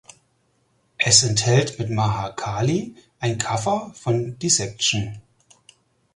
Es enthält mit "Maha Kali" ein Cover von Dissection.